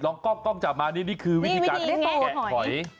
ลองกล้องกล้องจากมานี่นี่คือวิธีการแกะหอย